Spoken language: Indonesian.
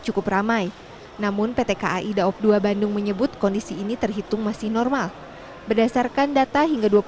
cukup ramai namun pt kai daop dua bandung menyebut kondisi ini terhitung masih normal berdasarkan data hingga